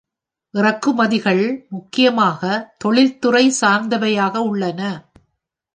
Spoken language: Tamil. இறக்குமதிகள் முக்கியமாக தொழில்துறை சார்ந்தவையாக உள்ளன.